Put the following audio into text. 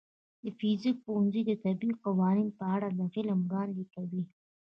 د فزیک پوهنځی د طبیعي قوانینو په اړه علم وړاندې کوي.